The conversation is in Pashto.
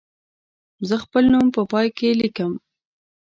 زه خپل نوم په پای کې لیکم.